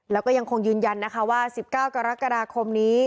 แล้วก็ยังคงยืนยันนะคะว่า๑๙กรกฎาคมนี้